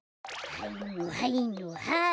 はいのはいのはい。